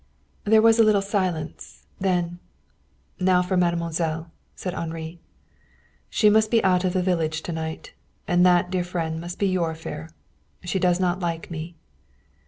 There was a little silence. Then: "Now for mademoiselle," said Henri. "She must be out of the village to night. And that, dear friend, must be your affair. She does not like me."